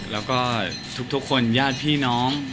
แล้วก็ทุกคนญาติพี่น้อง